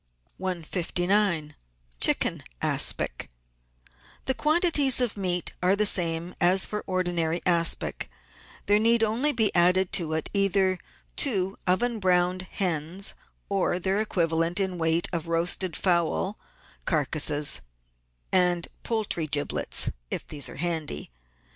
SAVOURY JELLIES OR ASPICS 6i 159— CHICKEN ASPIC The quantities of meat are the same as for ordinary aspic; there need only be added to it either two oven browned hens, or their equivalent in weight of roasted fowl carcases, and poultry giblets if these are handy.